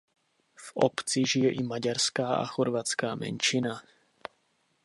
V obci žije i maďarská a chorvatská menšina.